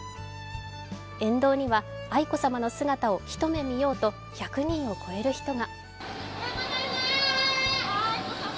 沿道には、愛子さまの姿を一目見ようと１００人を超える人が。